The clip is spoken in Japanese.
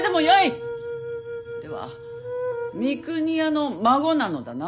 では三国屋の孫なのだな？